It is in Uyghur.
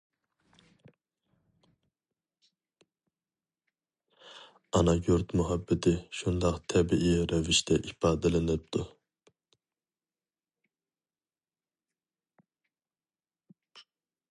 ئانا يۇرت مۇھەببىتى شۇنداق تەبىئىي رەۋىشتە ئىپادىلىنىپتۇ.